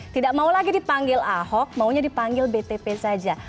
tidak mau lagi dipanggil ahok maunya dipanggil btp saja